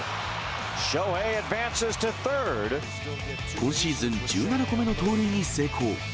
今シーズン１７個目の盗塁に成功。